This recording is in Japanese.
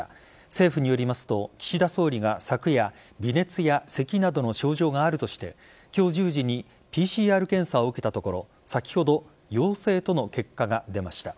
政府によりますと岸田総理が昨夜微熱やせきなどの症状があるとして今日１０時にＰＣＲ検査を受けたところ先ほど、陽性との結果が出ました。